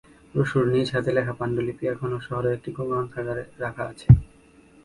রুশোর নিজ হাতে লেখা পাণ্ডুলিপি এখনো শহরের একটি গ্রন্থাগারে রাখা আছে।